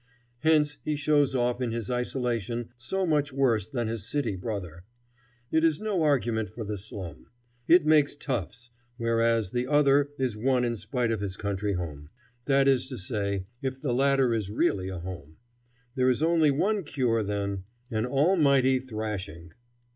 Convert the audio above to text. Hence he shows off in his isolation so much worse than his city brother. It is no argument for the slum. It makes toughs, whereas the other is one in spite of his country home. That is to say, if the latter is really a home. There is only one cure then an almighty thrashing.